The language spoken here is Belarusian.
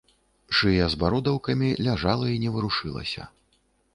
Шыя з бародаўкамі ляжала і не варушылася.